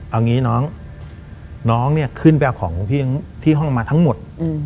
เอางี้น้องน้องเนี่ยขึ้นไปเอาของที่ห้องมาทั้งหมด